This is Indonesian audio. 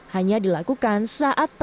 hanya dilakukan saat perawatan terjadwal